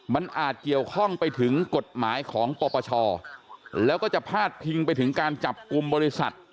มันอาจเกี่ยวข้องไปถึงกฎหมายของปปชแล้วก็จะพาดพิงไปถึงการจับกลุ่มบริษัท